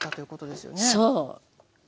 そう。